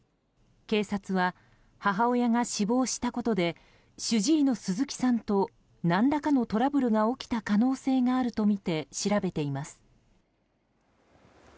警察は母親が死亡したことで主治医の鈴木さんと何らかのトラブルが起きた可能性があるとみて調べています。